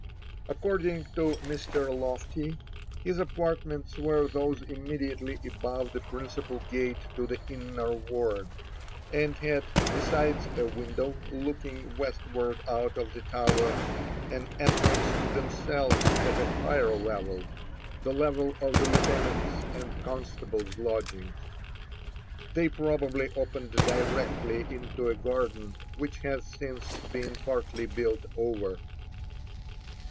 According to Mr. Loftie, his apartments were those immediately above the principal gate to the Inner Ward, and had, besides a window looking westward out of the Tower, an entrance to themselves at a higher level, the level of the Lieutenant's and Constable's lodgings. They probably opened directly into a garden which has since been partly built over.